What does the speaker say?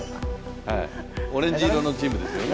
オレンジ色のチームですよね。